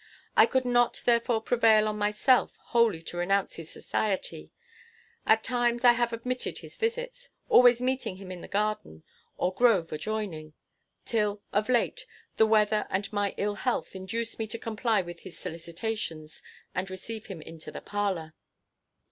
I could not therefore prevail on myself wholly to renounce his society. At times I have admitted his visits, always meeting him in the garden, or grove adjoining; till, of late, the weather and my ill health induced me to comply with his solicitations, and receive him into the parlor.